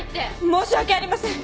申し訳ありません。